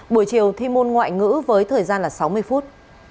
buổi chiều thi môn ngoại ngữ với thời gian là sáu mươi phút